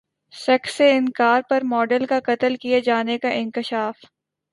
sex سے انکار پر ماڈل کا قتل کیے جانے کا انکشاف